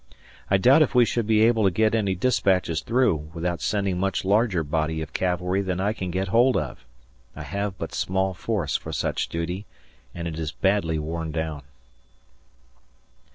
I doubt if we should be able to get any dispatches through without sending much larger body of cavalry than I can get hold of. I have but small force for such duty, and it is badly worn down.